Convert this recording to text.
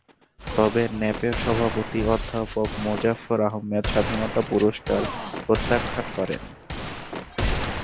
তবে ন্যাপের সভাপতি অধ্যাপক মোজাফফর আহমদ স্বাধীনতা পুরস্কার প্রত্যাখ্যান করেন।